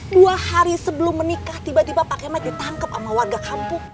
dua hari sebelum menikah tiba tiba pak kemet ditangkap sama warga kampung